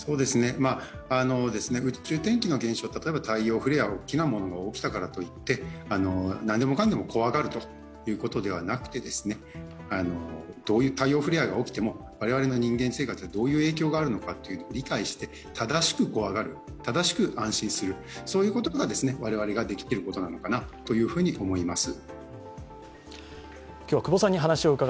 宇宙天気の現象、例えば太陽フレアが大きなものが起きたらからといってなんでもかんでも怖がるということではなくてどういう太陽フレアが起きても我々の人間生活にどういう影響があるか理解して正しく怖がる、正しく安心する、そういうことが我々ができることなのかなと思います。